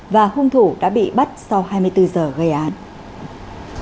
và hung thủ đã bị bắt sau hai mươi bốn giờ gây án